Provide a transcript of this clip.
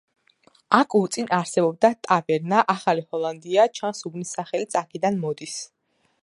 აქ უწინ არსებობდა ტავერნა „ახალი ჰოლანდია“, ჩანს, უბნის სახელიც აქედან მოდის.